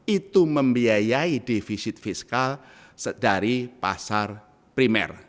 itu membiayai defisit fiskal dari pasar primer